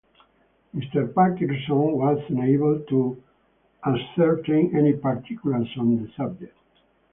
Mr. Parkinson was unable to ascertain any particulars on the subject.